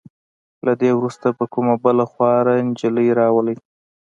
له دې وروسته به کومه بله خواره نجلې راولئ.